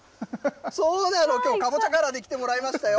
そうなの、きょう、かぼちゃカラーで来てもらいましたよ。